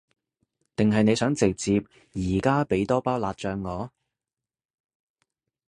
定係你想直接而家畀多包辣醬我？